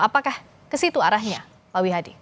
apakah ke situ arahnya pak wihadi